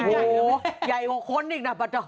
โอ้โฮใหญ่กว่าคนอีกนะบัตรเทอร์